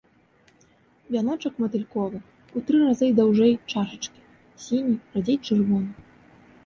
Вяночак матыльковы, у тры разы даўжэй чашачкі, сіні, радзей чырвоны.